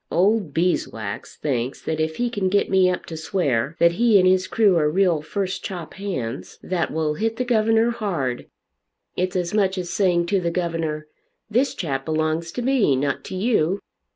Old Beeswax thinks that if he can get me up to swear that he and his crew are real first chop hands, that will hit the governor hard. It's as much as saying to the governor, 'This chap belongs to me, not to you.'